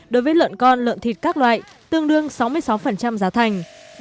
đối với lợn con lợn thịt các loại tương đương sáu mươi sáu giá thành